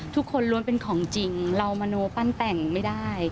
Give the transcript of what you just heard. ทุกคนล้วนเป็นของจริงเรามโนปั้นแต่งไม่ได้